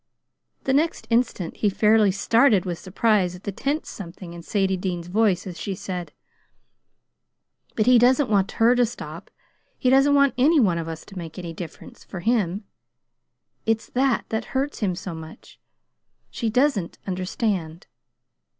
The next instant he fairly started with surprise at the tense something in Sadie Dean's voice, as she said: "But he doesn't want her to stop. He doesn't want any one of us to make any difference for him. It's that that hurts him so. She doesn't understand.